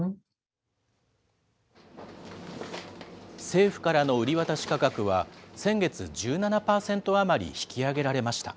政府からの売り渡し価格は、先月、１７％余り引き上げられました。